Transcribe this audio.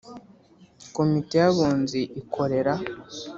Komite y Abunzi ikorera